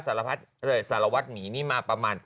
สารวัตรหมีนี่มาประมาณ